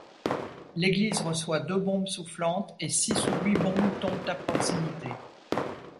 L’église reçoit deux bombes soufflantes et six ou huit bombes tombent à proximité.